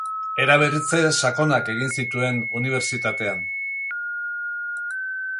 Eraberritze sakonak egin zituen unibertsitatean.